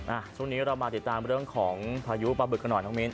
อ่าช่วงนี้เรามาติดตามเรื่องของพายุปลาบึกขน่อนทั้งมิ้น